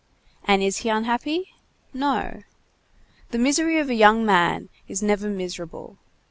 And is he unhappy? No. The misery of a young man is never miserable.